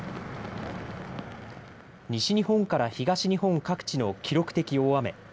西日本から東日本各地の記録的大雨。